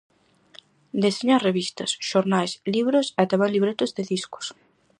Deseña revistas, xornais, libros e tamén libretos de discos.